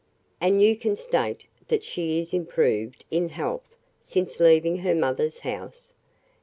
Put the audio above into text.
"And you can state that she is improved in health since leaving her mother's house?"